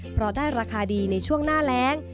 เพราะได้ราคาดีในช่วงหน้าแรง